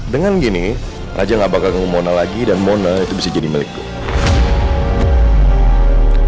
dengan gini raja gak bakal ngemona lagi dan mona itu bisa jadi milik gua